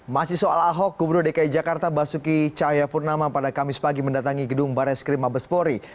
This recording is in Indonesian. masih soal ahok gubernur dki jakarta basuki cahaya purnama pada kamis pagi mendatangi gedung barai skrim abespori